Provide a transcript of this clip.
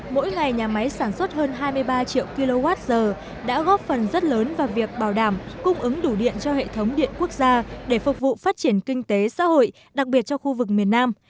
mỗi ngày nhà máy sản xuất hơn hai mươi ba triệu kwh đã góp phần rất lớn vào việc bảo đảm cung ứng đủ điện cho hệ thống điện quốc gia để phục vụ phát triển kinh tế xã hội đặc biệt cho khu vực miền nam